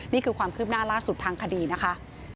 นี่คือความคืบหน้าล่าสุดทางคดีนะคะ